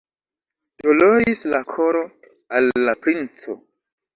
Doloris la koro al la princo!